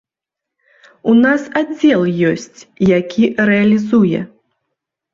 У нас аддзел ёсць, які рэалізуе.